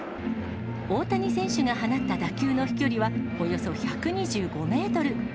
大谷選手が放った打球の飛距離は、およそ１２５メートル。